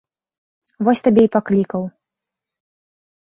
Вось табе і паклікаў.